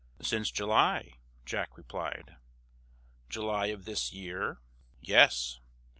"Since July," Jack replied. "July of this year?" "Yes."